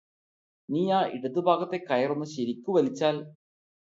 നീയാ ഇടതു ഭാഗത്തെ കയര് ഒന്നു ശരിക്ക് വലിച്ചാല്